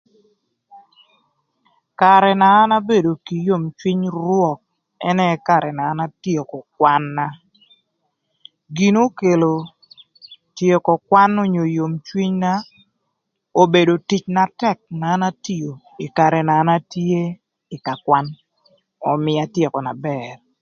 Karë na an abedo kï yom cwiny rwök ënë karë na an atyeko kwan-na. Gin okelo tyeko kwan-na onyo yom cwinyna obedo tic na tëk na an atio ï karë na an atye ï kakwan ömïa atyeko na bër.